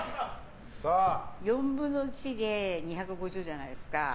４分の１で２５０じゃないですか。